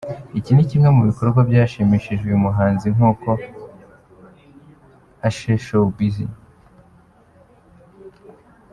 Iki ni kimwe mu bikorwa byashimishije uyu muhanzi nkuko aceshowbiz.